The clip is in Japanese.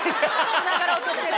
つながろうとしてる。